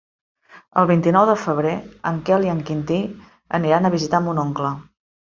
El vint-i-nou de febrer en Quel i en Quintí aniran a visitar mon oncle.